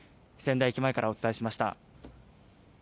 仙台駅前からお伝えしました。